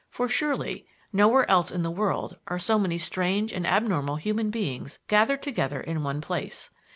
For, surely, nowhere else in the world are so many strange and abnormal human beings gathered together in one place.